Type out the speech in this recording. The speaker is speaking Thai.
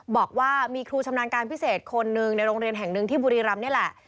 บอกว่ามีครูชำนาญการพิเศษคนหนึ่งในโรงเรียนแห่งหนึ่งที่บุรีรำนี่แหละ